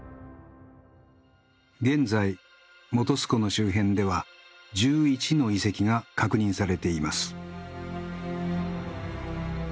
現在本栖湖の周辺では１１の遺跡が確認されています。